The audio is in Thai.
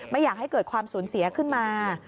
ไม่อยากให้เกิดความสูญเสียขึ้นมา